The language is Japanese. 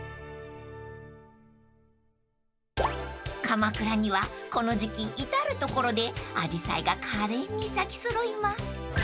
［鎌倉にはこの時季至る所であじさいがかれんに咲き揃います］